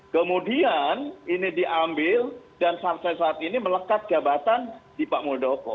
kemudian ini diambil dan sampai saat ini melekat jabatan di pak muldoko